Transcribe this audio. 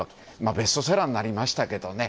ベストセラーになりましたけどね。